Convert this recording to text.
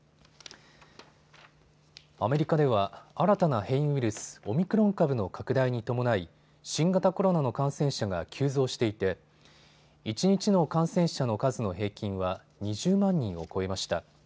アメリカでは新たな変異ウイルス、オミクロン株の拡大に伴い新型コロナの感染者が急増していて一日の感染者の数の平均は２０万人を超えました。